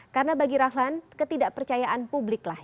karena bagi rahlan ketidak percayaan publik lah